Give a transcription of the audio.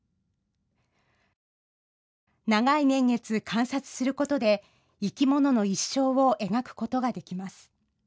長い年月、観察することで生き物の一生を描くことができます。